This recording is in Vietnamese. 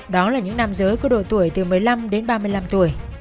đó là những nam giới có độ tuổi từ một mươi năm đến ba mươi năm tuổi